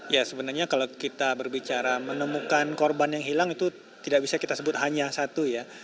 ya sebenarnya kalau kita berbicara menemukan korban yang hilang itu tidak bisa kita sebut hanya satu ya